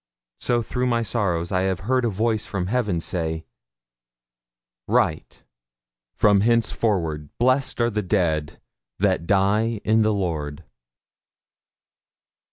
So, through my sorrows, I have heard a voice from heaven say, 'Write, from hencefore blessed are the dead that die in the Lord!'